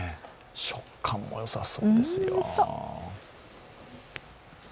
食感もよさそうですよ。